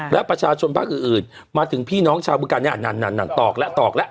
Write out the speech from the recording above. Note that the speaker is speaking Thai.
และประชาชนภาคอื่นมาถึงพี่น้องชาวบึกันเนี่ยนั่นตอกแล้วตอกแล้ว